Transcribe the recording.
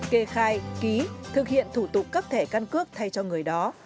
kê khai ký thực hiện thủ tục cấp thẻ căn cước thay cho người đó